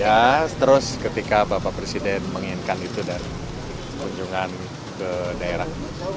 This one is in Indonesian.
ya terus ketika bapak presiden menginginkan itu dari kunjungan ke daerah